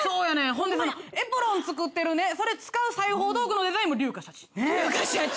ほんでエプロン作ってるそれ使う裁縫道具のデザインも竜かシャチ。